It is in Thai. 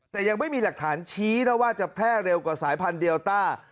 แต่ยังไม่มีหลักฐานชี้นะว่าจะแพร่เร็วกว่าสายพันธุเดลต้า